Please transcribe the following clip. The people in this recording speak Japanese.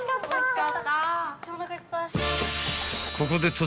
［ここで］